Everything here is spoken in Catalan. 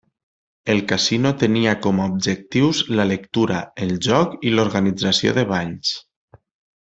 El Casino tenia com a objectius la lectura, el joc i l'organització de balls.